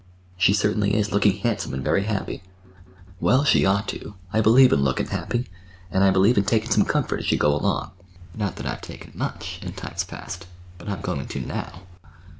"She certainly is looking handsome and very happy." "Well, she ought to. I believe in lookin' happy. I believe in takin' some comfort as you go along—not that I've taken much, in times past. But I'm goin' to now."